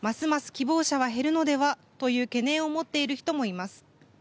希望者は減るのではという懸念を持っている人もいます。